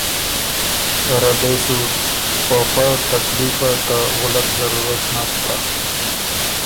ره دې سُو په فۀ تکلیفه ته وُلّک ضرورت نک بۀ۔